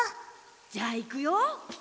じゃあいくよ。